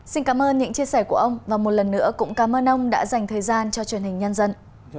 xin cảm ơn những chia sẻ của ông và một lần nữa cũng cảm ơn ông đã dành thời gian cho truyền hình nhân dân